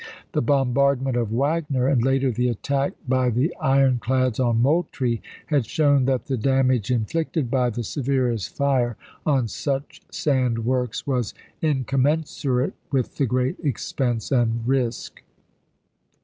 The bombardment of Wagner, and later the attack by the ironclads on Moultrie, had shown that the damage inflicted by the severest fire on such sand works was incommensurate with the great expense and risk.